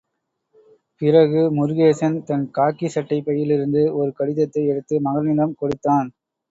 பிறகு, முருகேசன் தன் காக்கி சட்டைப் பையிலிருந்து ஒரு கடிதத்தை எடுத்து மகனிடம் கொடுத்தான்.